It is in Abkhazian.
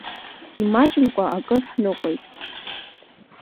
Имаҷымкәа акыр ҳныҟәеит.